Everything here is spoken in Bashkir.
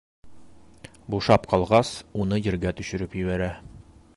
Бушап ҡалғас, уны ергә төшөрөп ебәрә.